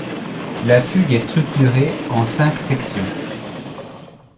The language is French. La fugue est structurée en cinq sections.